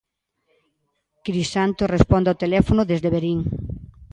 Crisanto responde ao teléfono desde Verín.